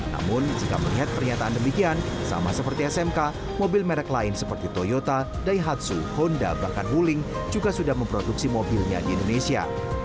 namun jika melihat pernyataan demikian sama seperti smk mobil merek lain seperti toyota daihatsu honda bahkan wuling juga sudah memproduksi mobilnya di indonesia